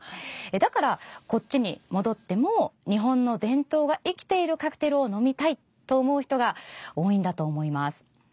だから、こっちに戻っても日本の伝統が生きているカクテルを飲みたいと思う人が多いんだと思います。